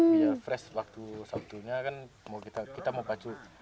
biar fresh waktu sabtunya kan kita mau baju